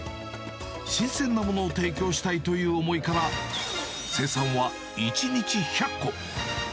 新鮮なものを提供したいという思いから、生産は１日１００個。